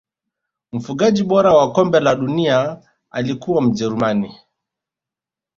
mfungaji bora wa kombe la dunia alikuwa mjerumani